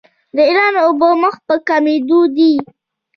د ایران اوبه مخ په کمیدو دي.